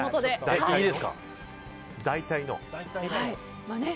大体の。